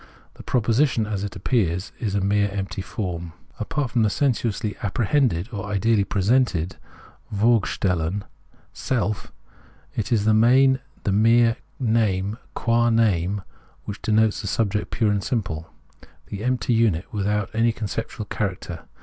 The proposition as it appears is a mere empty form. Apart from the sensuously apprehended or ideally presented {vorgestellten) self, it is in the main the mere name qua name which denotes the subject pure and simple, the empty unit without any conceptual cha racter.